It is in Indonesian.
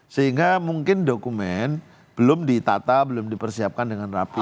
sehingga mungkin dokumen belum ditata belum dipersiapkan dengan rapi